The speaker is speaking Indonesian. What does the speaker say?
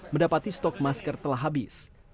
mendapati stok masker telah habis